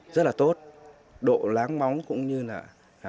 rất là tốt độ láng bóng cũng như là chất lượng màu ngọc